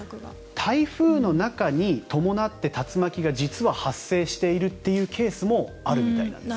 台風の中に伴って竜巻が発生しているというケースもあるみたいなんです。